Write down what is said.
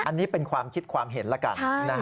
อันนี้เป็นความคิดความเห็นแล้วกัน